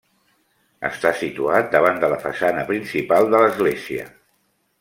Està situat davant de la façana principal de l'església.